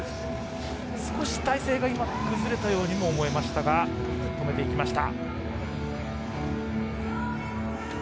少し体勢が崩れたようにも思えましたが止めていきました。